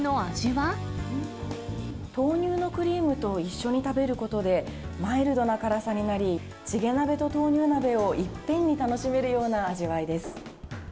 豆乳のクリームと一緒に食べることで、マイルドな辛さになり、チゲ鍋と豆乳鍋をいっぺんに楽しめるような味わいです。